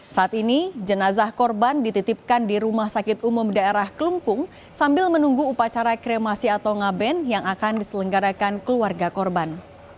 saat ini jenazah korban dititipkan di rumah sakit umum daerah kelungkung sambil menunggu upacara kremasi atau ngaben yang akan diselenggarakan keluarga korban